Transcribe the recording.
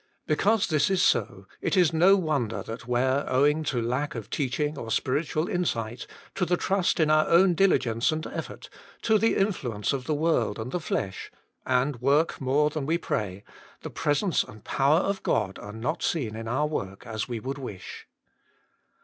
Because this is so, it is no wonder that where, owing to lack of teaching or spiritual insight, we 6 INTRODUCTION the trust in our own diligence and effort, to the influence of the world and the flesh, and work more than we pray, the presence and power of God are not seen in our work as we would wish.